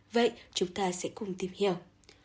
vậy chúng ta sẽ cùng tìm hiểu